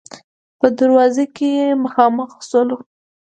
په دروازه کې مخامخ شولو.